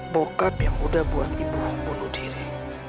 bokap yang udah buat ibu membunuh diri